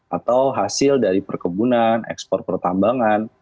atau hasil dari perkebunan ekspor pertambangan